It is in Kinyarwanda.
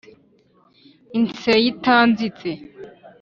inseye itanzitse